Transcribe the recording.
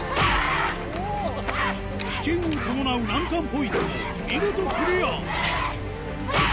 危険を伴う難関ポイントも見事クリアヤァ！